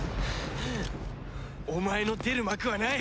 お前の出る幕はない！